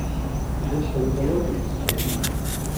Die Einstellung der Leute muss sich ändern.